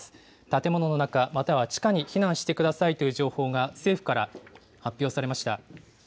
建物の中、または地下に避難してくださいという情報が政府から発表されました。